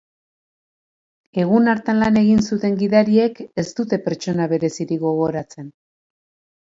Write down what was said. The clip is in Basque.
Egun hartan lan egin zuten gidariek ez dute pertsona berezirik gogoratzen.